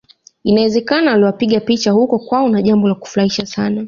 Inawezekana waliwapiga picha huko kwao na jambo la kufurahisha sana